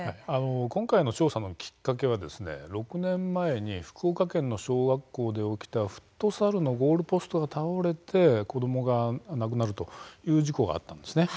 今回の調査のきっかけは６年前に福岡県の小学校で起きたフットサルのゴールポストが倒れて子どもが亡くなるという事故があったんですね。